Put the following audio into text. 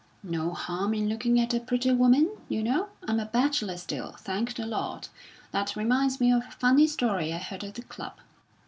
"No harm in looking at a pretty woman, you know. I'm a bachelor still, thank the Lord! That reminds me of a funny story I heard at the club."